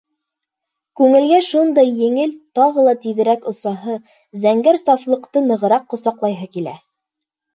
Күңелгә шундай еңел, тағы ла тиҙерәк осаһы, зәңгәр сафлыҡты нығыраҡ ҡосаҡлайһы килә.